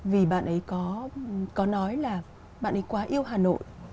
vì bạn ấy có nói là bạn ấy quá yêu hà nội